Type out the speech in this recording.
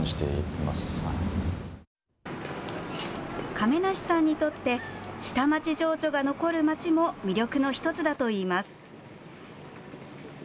亀梨さんにとって下町情緒が残るまちも魅力の１つだといいます。